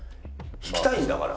引きたいんだから。